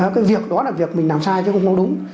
cái việc đó là việc mình làm sai chứ không có đúng